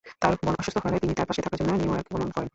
তার বোন অসুস্থ হলে তিনি তার পাশে থাকার জন্য নিউইয়র্ক গমন করেন।